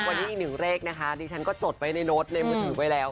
วันนี้๑เลขนะคะดิฉันก็จดไปในโน้ตในมือถือไปแล้ว